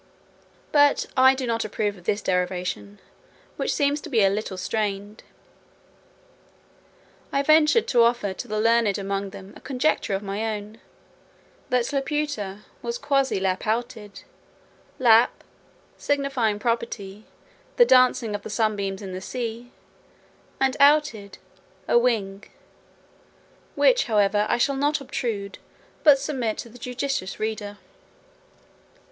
But I do not approve of this derivation, which seems to be a little strained. I ventured to offer to the learned among them a conjecture of my own, that Laputa was quasi lap outed; lap, signifying properly, the dancing of the sunbeams in the sea, and outed, a wing; which, however, I shall not obtrude, but submit to the judicious reader.